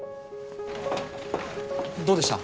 どうでした？